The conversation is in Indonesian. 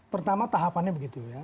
pertama tahapannya begitu ya